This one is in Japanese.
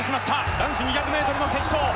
男子２００ｍの決勝